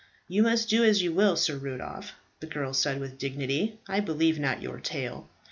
"You must do as you will, Sir Rudolph," the girl said with dignity. "I believe not your tale.